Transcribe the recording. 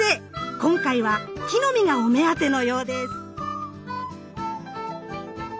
今回は木の実がお目当てのようです。